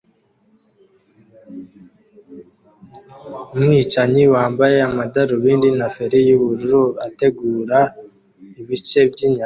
Umwicanyi wambaye amadarubindi na feri yubururu ategura ibice byinyama